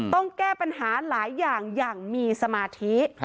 ต้องแก้ปัญหาหลายอย่างอย่างมีสมาธิ